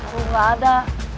tuh gak ada